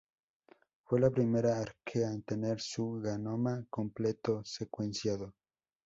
Fue la primera arquea en tener su genoma completo secuenciado.